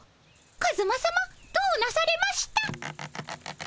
カズマさまどうなされました？